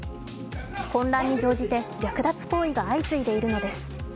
混乱に乗じて略奪行為が相次いでいるのです。